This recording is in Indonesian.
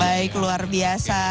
baik luar biasa